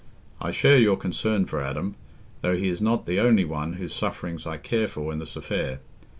I share your concern for Adam, though he is not the only one whose sufferings I care for in this affair.